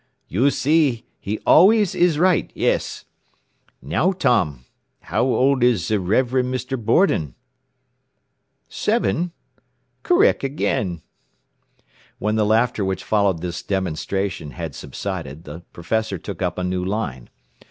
"You see, he always is right, yes. "Now, Tom, how old is ze Rev. Mr. Borden?... Seven? Correc' again." When the laughter which followed this "demonstration" had subsided the professor took up a new line.